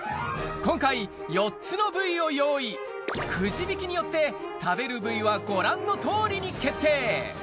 今回４つの部位を用意くじ引きによって食べる部位はご覧の通りに決定